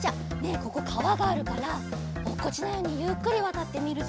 ここかわがあるからおっこちないようにゆっくりわたってみるぞ。